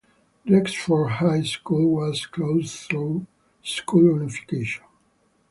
Rexford High School was closed through school unification.